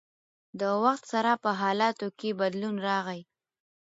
د وخت سره په حالاتو کښې بدلون راغی